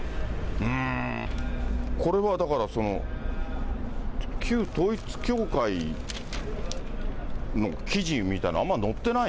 うーん。それはだからその、旧統一教会の記事みたいのあんま載ってない？